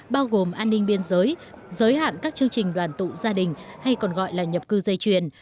bao gồm an ninh biên giới giới hạn các chương trình đoàn tụ gia đình hay còn gọi là nhập cư dây chuyền